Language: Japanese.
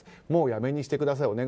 もうやめにしてください